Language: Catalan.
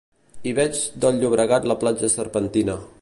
I veig del Llobregat la platja serpentina